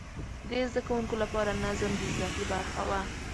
د زده کوونکو لپاره نظم د زده کړې برخه وه.